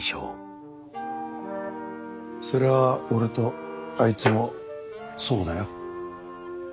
それは俺とあいつもそうだよ。